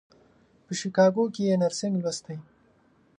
په شیکاګو کې یې نرسنګ لوستی.